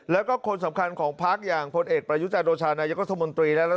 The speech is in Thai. แล้วก็คนสำคัญของพรรดิอย่างคนเอกประยุจโจร